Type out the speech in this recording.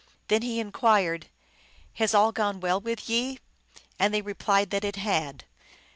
Then he inquired, " Has all gone well with ye ?" And they replied that it had.